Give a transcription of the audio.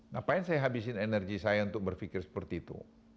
ngapain saya habisin energi saya untuk berpikir seperti itu